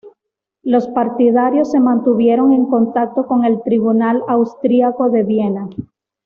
Los partidarios se mantuvieron en contacto con el tribunal austríaco de Viena.